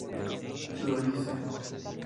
Lo hice.